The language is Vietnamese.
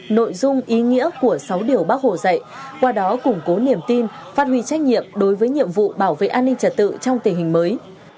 nội dung ý nghĩa của sáu điều bác hồ dạy qua đó củng cố niềm tin phát huy trách nhiệm đối với nhiệm vụ bảo vệ an ninh trật tự trong tình hình mới